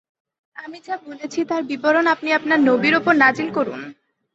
আমি যা বলেছি তার বিবরণ আপনি আপনার নবীর উপর নাযিল করুন।